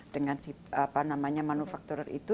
dengan si manufakturer itu